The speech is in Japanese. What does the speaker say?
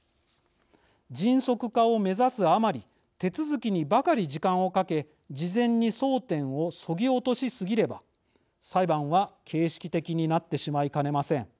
迅速化を目指すあまり手続きにばかり時間をかけ事前に争点をそぎ落としすぎれば裁判は形式的になってしまいかねません。